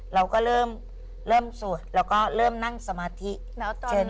เราก็เริ่มเริ่มสวดเราก็เริ่มนั่งสมาธิเชิญเทพ